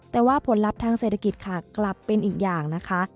แต่ว่าผลลัพธ์ทางเศรษฐกิจค่ะกลับเป็นอีกอย่างนะคะ